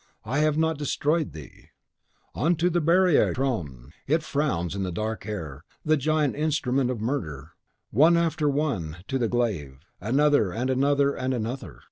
I have not destroyed thee!" On to the Barriere du Trone. It frowns dark in the air, the giant instrument of murder! One after one to the glaive, another and another and another!